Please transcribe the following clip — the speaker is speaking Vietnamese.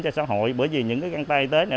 cho xã hội bởi vì những cái găng tay y tế này